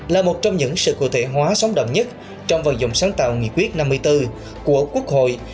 là một trong những sự cụ thể hóa sóng động nhất trong vận dụng sáng tạo nghị quyết năm mươi bốn của quốc hội